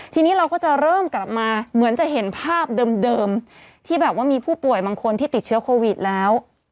ทีนี้เราก็จะเริ่มกลับมาเหมือนจะเห็นภาพเดิมที่แบบว่ามีผู้ป่วยบางคนที่ติดเชื้อโควิดแล้ว